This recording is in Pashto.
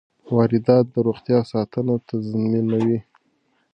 واردات د روغتیا ساتنه تضمینوي.